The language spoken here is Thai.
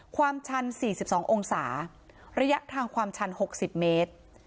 ความชัน๔๒องศาระยะทางความชัน๖๐เมตร